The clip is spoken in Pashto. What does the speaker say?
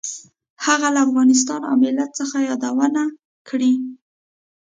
هغه له افغانستان او ملت څخه یادونه کړې.